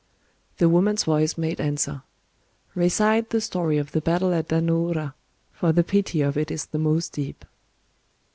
The woman's voice made answer:— "Recite the story of the battle at Dan no ura,—for the pity of it is the most deep."